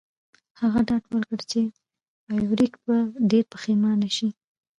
هغه ډاډ ورکړ چې فارویک به ډیر پښیمانه شي